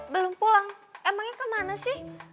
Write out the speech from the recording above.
belum pulang emangnya kemana sih